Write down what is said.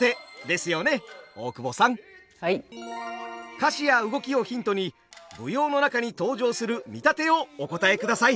歌詞や動きをヒントに舞踊の中に登場する見立てをお答えください。